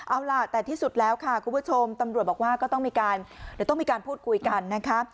เอาล่ะแต่ที่สุดแล้วค่ะคุณผู้ชมตำรวจบอกว่าก็ต้องมีการพูดคุยกันนะคะ